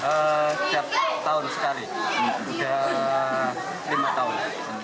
setiap tahun sekali sudah lima tahun